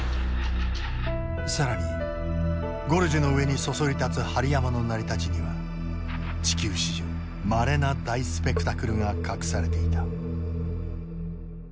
更にゴルジュの上にそそり立つ針山の成り立ちには地球史上まれな大スペクタクルが隠されていた。